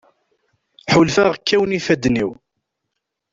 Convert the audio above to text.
Ḥulfaɣ kkawen ifadden-iw.